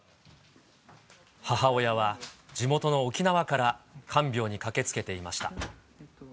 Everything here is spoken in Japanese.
母親は、地元の沖縄から看病に駆けつけていました。